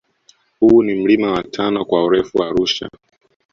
Huu ni mlima wa tano kwa urefu Arusha